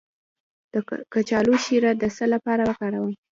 د کچالو شیره د څه لپاره وکاروم؟